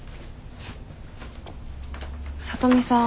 聡美さん